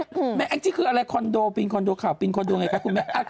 อังกฎว่านี่คืออะไรเฮียคอนโดปินคอนโดไงคุณแม็ก